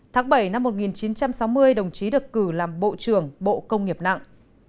tháng bảy năm một nghìn chín trăm sáu mươi đồng chí được cử làm bộ trưởng bộ công nghiệp nặng